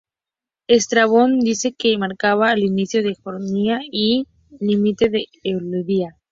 Estrabón dice que marcaba el inicio de Jonia y el límite de Eólida.